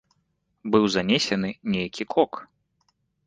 Быў занесены нейкі кок.